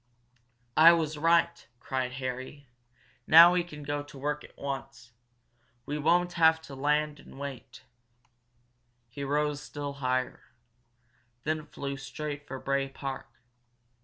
"I was right!" cried Harry. "Now we can go to work at once we won't have to land and wait!" He rose still higher, then flew straight for Bray Park.